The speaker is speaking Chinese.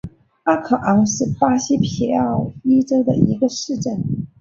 阿考昂是巴西皮奥伊州的一个市镇。